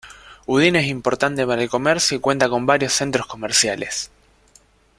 Udine es importante para el comercio y cuenta con varios centros comerciales.